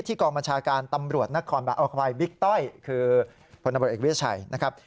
ที่กองบัญชาการตำรวจนครบานเอาเข้าไปบิ๊กต้อยคือพเวิชชัยนะครับ